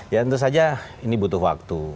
ya tentu saja ini butuh waktu